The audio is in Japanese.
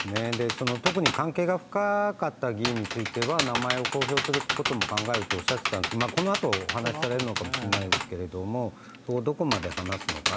特に関係が深かった議員については名前を公表することも考えるとおっしゃっていたんですけれども、このあとお話しされるのかもしれないですが、どこまで話すのか。